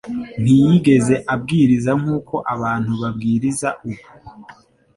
Ntiyigeze abwiriza nk’uko abantu babwiriza ubu